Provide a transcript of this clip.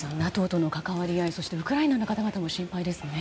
ＮＡＴＯとの関わり合いそしてウクライナの方々も心配ですね。